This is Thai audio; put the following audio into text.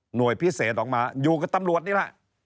พิเศษออกมาอยู่กับตำรวจนี่แหละ